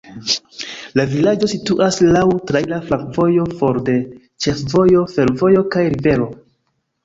La vilaĝo situas laŭ traira flankovojo for de ĉefvojo, fervojo kaj rivero.